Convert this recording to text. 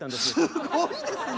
すごいですね。